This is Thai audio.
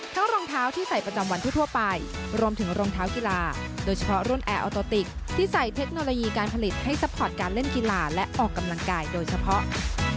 รองเท้าที่ใส่ประจำวันทั่วไปรวมถึงรองเท้ากีฬาโดยเฉพาะรุ่นแอร์ออโตติกที่ใส่เทคโนโลยีการผลิตให้ซัพพอร์ตการเล่นกีฬาและออกกำลังกายโดยเฉพาะ